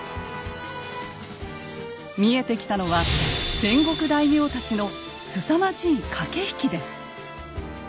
見えてきたのは戦国大名たちのすさまじい駆け引きです。